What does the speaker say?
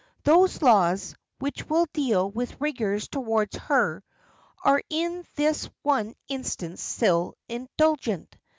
Those laws, which will deal with rigour towards her, are in this one instance still indulgent.